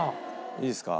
いいですか？